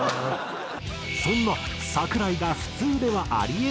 そんな櫻井が普通ではあり得ない